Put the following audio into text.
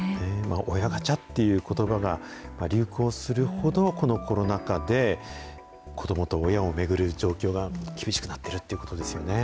親ガチャっていうことばが流行するほど、このコロナ禍で、子どもと親を巡る状況が厳しくなってるということですよね。